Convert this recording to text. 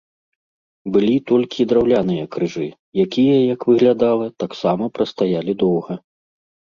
Былі толькі драўляныя крыжы, якія, як выглядала, таксама прастаялі доўга.